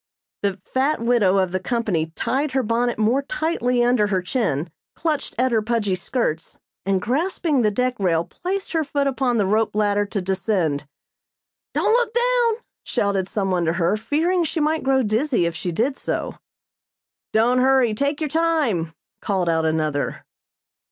The fat widow of the company tied her bonnet more tightly under her chin, clutched at her pudgy skirts, and grasping the deck rail, placed her foot upon the rope ladder to descend. "Don't look down!" shouted some one to her, fearing she might grow dizzy if she did so. "Don't hurry; take your time!" called out another.